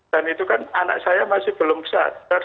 dan itu kan anak saya masih belum sadar